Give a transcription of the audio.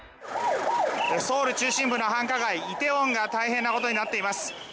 ソウル中心部の繁華街梨泰院が大変なことになっています。